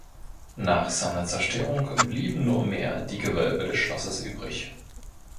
Nach seiner Zerstörung blieben nur mehr die Gewölbe des Schlosses übrig.